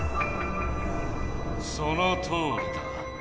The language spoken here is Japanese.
そのとおりだ。